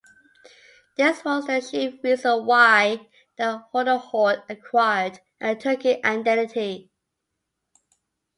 This was the chief reason why the Golden Horde acquired a Turkic identity.